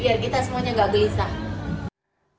biar kita semuanya gak gelisah